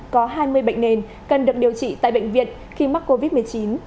có hai mươi bệnh nền cần được điều trị tại bệnh viện khi mắc covid một mươi chín